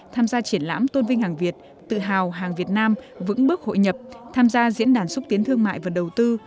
tham gia triển lãm tôn vinh hàng việt tự hào hàng việt nam vững bước hội nhập tham gia diễn đàn xúc tiến thương mại và đầu tư